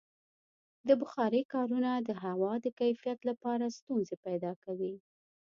د بخارۍ کارونه د هوا د کیفیت لپاره ستونزې پیدا کوي.